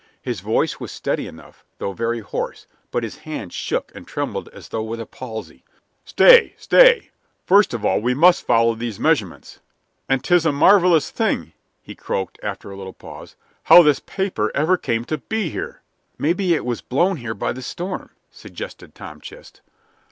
His voice was steady enough, though very hoarse, but his hand shook and trembled as though with a palsy. "Stay! stay! First of all, we must follow these measurements. And 'tis a marvelous thing," he croaked, after a little pause, "how this paper ever came to be here." "Maybe it was blown here by the storm," suggested Tom Chist.